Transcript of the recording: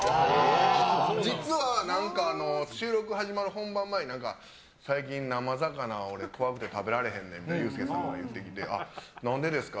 実は収録始まる本番前に最近、生魚怖くて食べられへんねんってユースケさんが言うてきて何でですか？